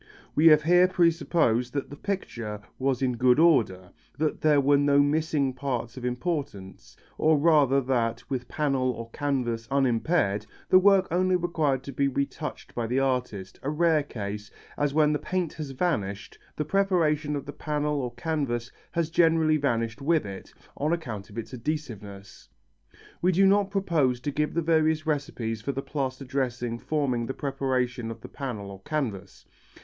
We have here presupposed that the picture was in good order, that there were no missing parts of importance, or rather that, with panel or canvas unimpaired, the work only required to be retouched by the artist, a rare case, as when the paint has vanished the preparation of the panel or canvas has generally vanished with it, on account of its adhesiveness. We do not propose to give the various recipes for the plaster dressing forming the preparation of the panel or canvas.